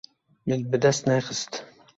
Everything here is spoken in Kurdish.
Min bi dest nexist.